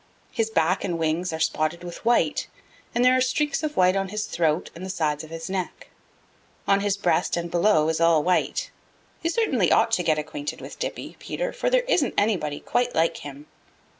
His back and wings are spotted with white, and there are streaks of white on his throat and the sides of his neck. On his breast and below he is all white. You certainly ought to get acquainted with Dippy, Peter, for there isn't anybody quite like him."